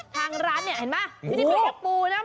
ทางร้านเนี่ยเห็นป่ะไม่ได้คุยกับปูนะ